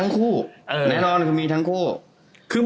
คือมีทั้งคู่แนะนอน